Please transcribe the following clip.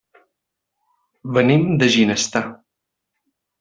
Venim de Ginestar.